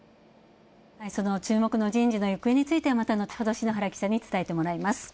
その注目の人事の行方については、また後ほど、篠原記者に伝えてもらいます。